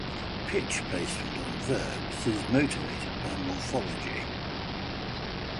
Pitch placement on verbs is motivated by morphology.